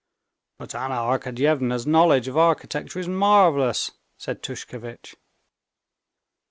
"But Anna Arkadyevna's knowledge of architecture is marvelous," said Tushkevitch.